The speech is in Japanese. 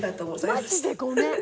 マジでごめん。